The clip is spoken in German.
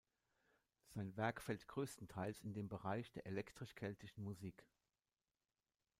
Sein Werk fällt größtenteils in den Bereich der „elektrisch-keltischen“ Musik.